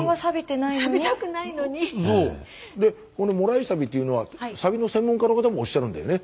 でこの「もらいサビ」というのはサビの専門家の方もおっしゃるんだよね。